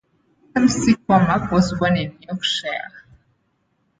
McCormack was born in Yorkshire.